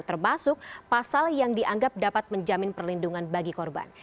termasuk pasal yang dianggap dapat menjamin perlindungan bagi korban